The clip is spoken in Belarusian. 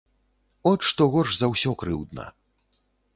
От што горш за ўсё крыўдна.